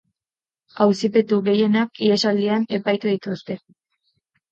Auzipetu gehienak ihesaldian epaitu dituzte.